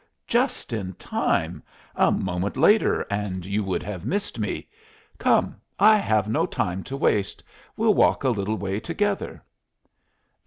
just in time; a moment later and you would have missed me. Come, I have no time to waste; we'll walk a little way together."